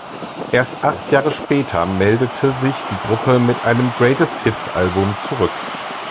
Erst acht Jahre später meldete sich die Gruppe mit einem Greatest-Hits-Album zurück.